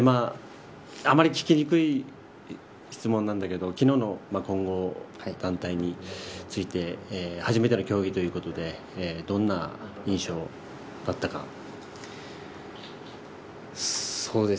あんまり聞きにくい質問なんだけど昨日の混合団体について初めての競技ということでどんな印象だったか。